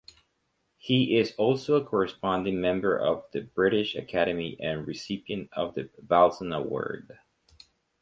He is also a corresponding member of the British Academy and recipient of the Balzan Award.